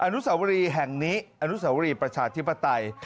อนุสาวรีแห่งนี้อนุสาวรีประชาธิปไตย